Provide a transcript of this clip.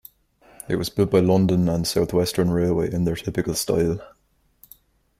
It was built by London and South Western Railway in their typical style.